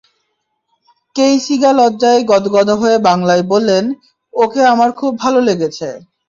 কেই সিগা লজ্জায় গদগদ হয়ে বাংলায় বললেন, ওকে আমার খুব ভালো লেগেছে।